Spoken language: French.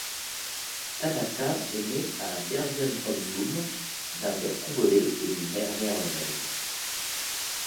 Tamata est né à Bergen op Zoom d'un père congolais et d'une mère néerlandaise.